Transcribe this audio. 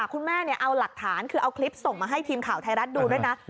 คุณแม่เอาหลักฐานคือเอาคลิปส่งมาให้ทีมข่าวไทยรัฐดูด้วยนะ